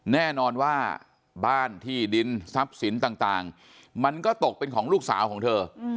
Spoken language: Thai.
แน่นอนว่าบ้านที่ดินทรัพย์สินต่างมันก็ตกเป็นของลูกสาวของเธอ